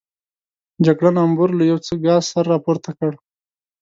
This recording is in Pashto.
جګړن امبور له یو څه ګاز سره راپورته کړ.